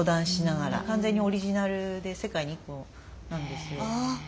完全にオリジナルで世界に一個なんですよ。